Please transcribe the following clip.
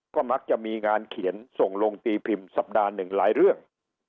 ก็มักจะมีงานเขียนส่งลงตีพิมพ์สัปดาห์หนึ่งหลายเรื่อง